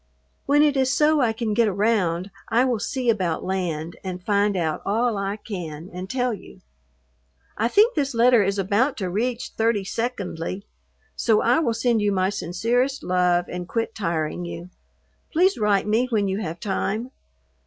When it is so I can get around I will see about land and find out all I can and tell you. I think this letter is about to reach thirty secondly, so I will send you my sincerest love and quit tiring you. Please write me when you have time.